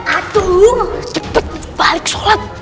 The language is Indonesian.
aduh cepet balik sholat